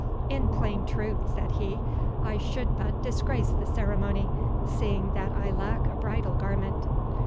"In plain truth," said he, "I should but disgrace the ceremony, seeing that I lack a bridal garment.